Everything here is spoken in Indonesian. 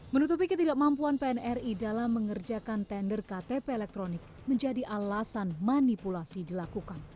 menutupi ketidakmampuan pnri dalam mengerjakan tender ktp elektronik menjadi alasan manipulasi dilakukan